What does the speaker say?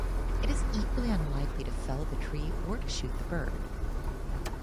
It is equally unlikely to fell the tree or to shoot the bird.